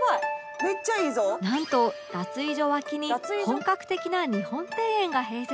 なんと脱衣所脇に本格的な日本庭園が併設